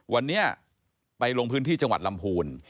วันนี้ไปลงพื้นที่จังหวัดลำพูน